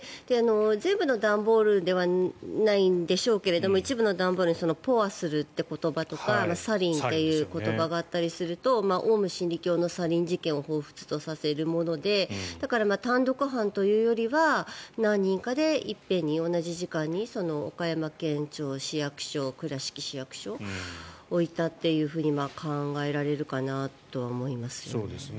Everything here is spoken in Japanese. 全部の段ボールではないんでしょうけど一部の段ボールにポアするという言葉とかサリンという言葉があったりするとオウム真理教のサリン事件をほうふつとさせるものでだから、単独犯というよりは何人かで一遍に同じ時間に岡山県庁、市役所、倉敷市役所に置いたというふうに考えられるかなと思いますよね。